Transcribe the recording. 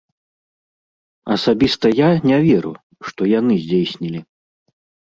Асабіста я не веру, што яны здзейснілі.